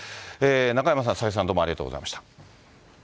中山さん、佐々木さん、どうもありがとうございました。